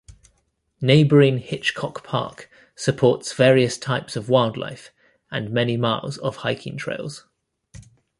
Neighboring Hitchcock Park supports various types of wildlife and many miles of hiking trails.